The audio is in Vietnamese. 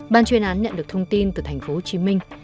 ban chuyên án nhận được thông tin từ thành phố hồ chí minh